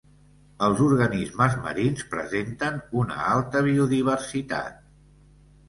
Els organismes marins presenten una alta biodiversitat.